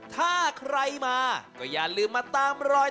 ถ้าใครมาก็อย่าลืมมาเถิดนะครับ